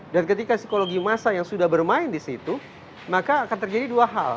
dan ketika psikologi masa yang sudah bermain di situ maka akan terjadi dua hal